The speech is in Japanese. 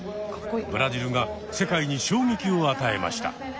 ブラジルが世界に衝撃を与えました。